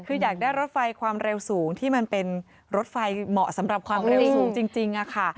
คืออยากได้รถไฟความเร็วสูงที่มันเป็นรถไฟเหมาะสำหรับความเร็วสูงจริงค่ะ